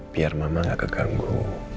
biar mama gak keganggu